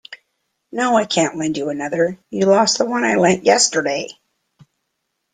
No, I can't lend you another. You lost the one I lent yesterday!